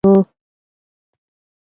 امبولانس د مار په څېر له موټرو تېرېده.